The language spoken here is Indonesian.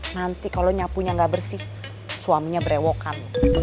nanti kalo nyapunya gak bersih suaminya berewokan